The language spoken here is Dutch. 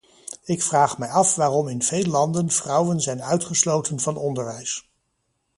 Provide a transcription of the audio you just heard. Ik vraag mij af waarom in veel landen vrouwen zijn uitgesloten van onderwijs.